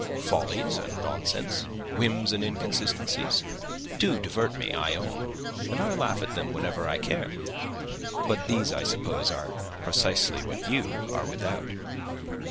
Follies and nonsense, whims and inconsistencies, do divert me, I own, and I laugh at them whenever I can. But these, I suppose, are precisely what you are without."